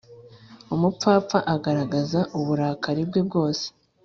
umupfapfa agaragaza uburakari bwe bwose